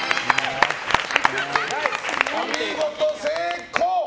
お見事、成功！